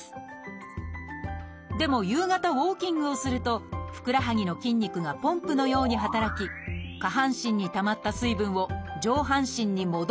でも夕方ウォーキングをするとふくらはぎの筋肉がポンプのように働き下半身にたまった水分を上半身に戻すことができます。